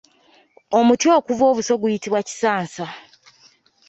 Omuti okuva obuso guyitibwa Kisaansa.